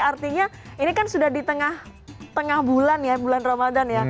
artinya ini kan sudah di tengah bulan ya bulan ramadan ya